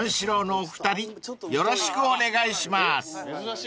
お二人よろしくお願いします］